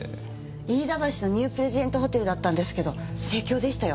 飯田橋のニュープレジデントホテルだったんですけど盛況でしたよ。